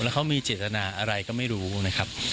แล้วเขามีเจตนาอะไรก็ไม่รู้นะครับ